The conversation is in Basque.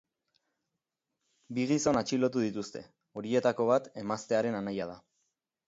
Bi gizon atxilotu dituzte, horietako bat emaztearen anaia da.